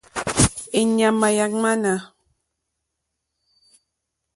Èɲàmà yà ŋwánà.